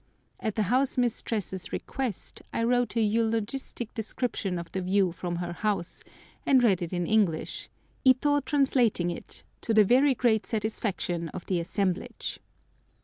At the house mistress's request I wrote a eulogistic description of the view from her house, and read it in English, Ito translating it, to the very great satisfaction of the assemblage.